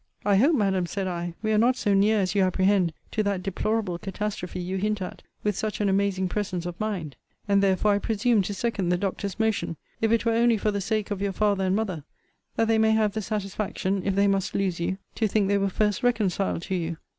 I hope, Madam, said I, we are not so near as you apprehend to that deplorable catastrophe you hint at with such an amazing presence of mind. And therefore I presume to second the doctor's motion, if it were only for the sake of your father and mother, that they may have the satisfaction, if they must lose you, to think they were first reconciled to you.